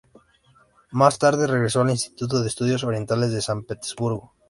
Más tarde, regresó al Instituto de Estudios Orientales de San Petersburgo.